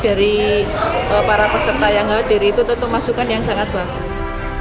dari para peserta yang hadir itu tentu masukan yang sangat bagus